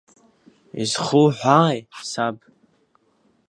Изхуҳәааи, саб?